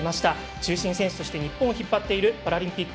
中心選手として日本を引っ張っているパラリンピック